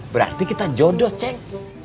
berarti kita jodoh ceng